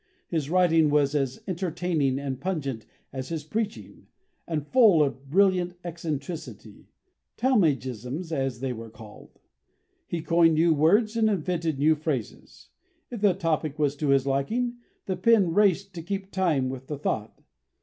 His writing was as entertaining and pungent as his preaching, and full of brilliant eccentricities 'Talmagisms,' as they were called. He coined new words and invented new phrases. If the topic was to his liking, the pen raced to keep time with the thought....